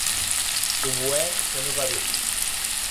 Oboè que no va bé.